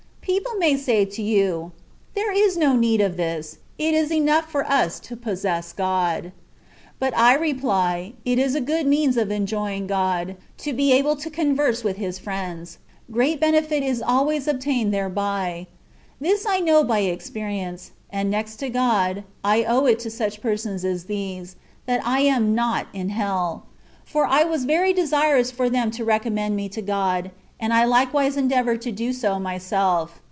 People may say to you, ^^ There is no need of this ; it is enough for us to possess God.^^ But I reply, it is a good means of enjoying God, to be able to converse with his friends — great benefit is always obtained thereby : this I know by experi ence ; and, next to God, I owe it to such persons as these, that I am not in heU — ^for I was very desirous for them to recommend me to God, and THE WAY OF PERFECTION. 37 I likewise endeavoured to do so myself.